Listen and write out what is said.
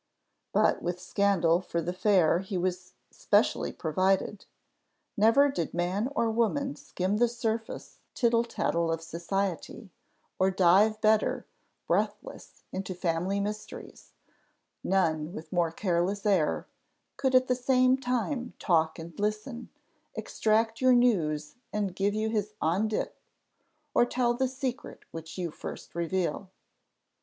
But with scandal for the fair was he specially provided. Never did man or woman skim the surface tittle tattle of society, or dive better, breathless, into family mysteries; none, with more careless air, could at the same time talk and listen extract your news and give you his on dit, or tell the secret which you first reveal.